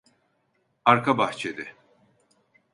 Arka bahçede.